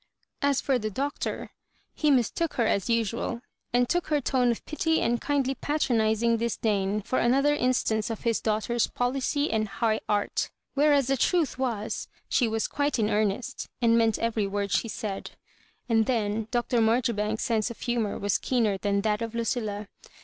As for the Doctor, he mistook her as usual, and took her tone of pity and kindly patronising dis dain for another instance of his daughter's po licy and high art; whereas the truth was she was quite in earnest, and meant every word she said. And then Dr. Maijoribanks's sepse of humour was keener than that of Lucilla.